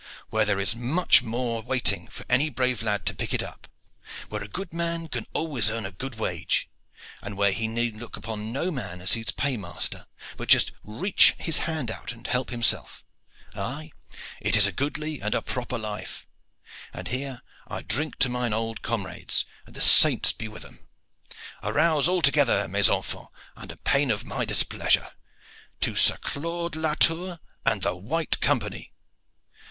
"Where there is as much more waiting for any brave lad to pick it up. Where a good man can always earn a good wage, and where he need look upon no man as his paymaster, but just reach his hand out and help himself. Aye, it is a goodly and a proper life. And here I drink to mine old comrades, and the saints be with them! Arouse all together, mes enfants, under pain of my displeasure. To Sir Claude Latour and the White Company!"